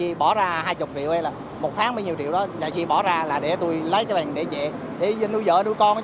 giá ra hai chục triệu hay là một tháng mấy nhiêu triệu đó nhà xe bỏ ra là để tôi lấy cái bánh để trễ để nuôi dở đứa con